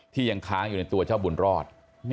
ยังค้างอยู่ในตัวเจ้าบุญรอด